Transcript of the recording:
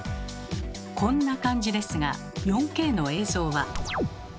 こんな感じですが４Ｋの映像は。